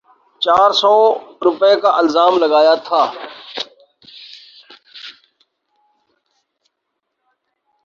چار سو روپے کا الزام لگایا تھا۔